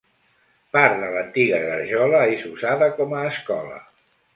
Part de l'antiga garjola és usada com a escola.